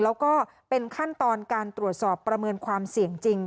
แล้วก็เป็นขั้นตอนการตรวจสอบประเมินความเสี่ยงจริง